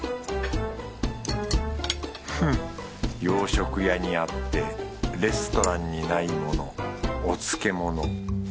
フッ洋食屋にあってレストランにないものお漬物。